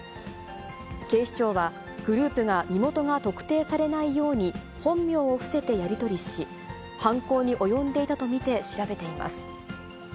警視庁は、グループが身元が特定されないように、本名を伏せてやり取りし、犯行に及んでいたと見て、調べています。